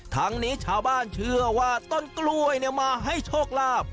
ทั้งนี้ชาวบ้านเชื่อว่าต้นกล้วยมาให้โชคลาภ